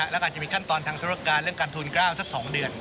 แล้วก็อาจจะมีขั้นตอนทางธุรการเรื่องการทูล๙สัก๒เดือน